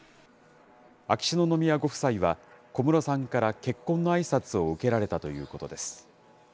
秋篠宮ご夫妻は小室さんから結婚のあいさつを受けられたということです。